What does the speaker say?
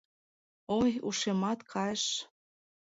— О-ой, ушемат кайыш!